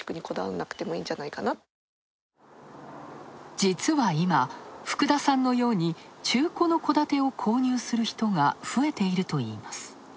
実は今、福田さんのように中古の戸建てを購入する人が増えているといいます。